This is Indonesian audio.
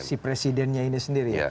si presidennya ini sendiri ya